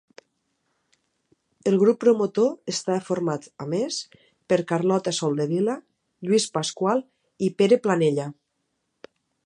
El grup promotor estava format, a més, per Carlota Soldevila, Lluís Pasqual i Pere Planella.